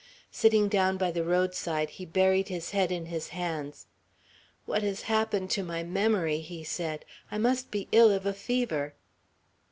Sitting down by the roadside, he buried his head in his hands. "What has happened to my memory?" he said. "I must be ill of a fever!"